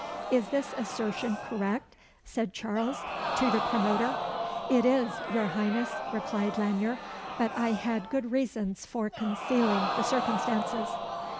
"Is this assertion correct?" said Charles, to the promoter. "It is, your Highness," replied Lanyere; "but I had good reasons for concealing the circumstances."